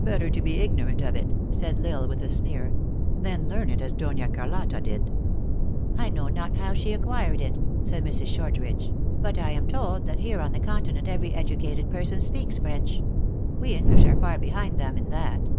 "Better to be ignorant of it," said L Isle with a sneer, "than learn it as Dona Carlotta did." " I know not how she acquired it," said Mrs. Short ridge, " but I am told that here on the continent every educated person speaks French. We English are far behind them in that."